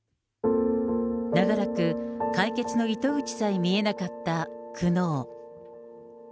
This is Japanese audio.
長らく解決の糸口さえ見えなかった苦悩。